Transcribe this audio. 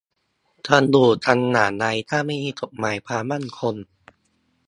จะอยู่กันอย่างไร ถ้าไม่มีกฎหมายความมั่นคง